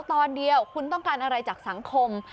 ตอนเดียวคุณต้องการอะไรจากสังคม